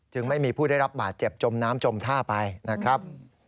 ไม่มีผู้ได้รับบาดเจ็บจมน้ำจมท่าไปนะครับ